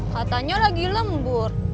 katanya lagi lembur